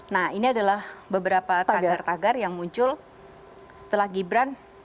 nah ini adalah beberapa tagar tagar yang muncul setelah gibran